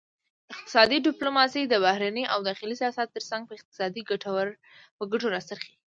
اقتصادي ډیپلوماسي د بهرني او داخلي سیاست ترڅنګ په اقتصادي ګټو راڅرخي